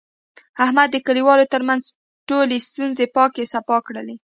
احمد د کلیوالو ترمنځ ټولې ستونزې پاکې صفا کړلې.